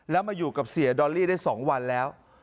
แล้วมาอยู่กับเสียดอลลี่ได้๒วันแล้ว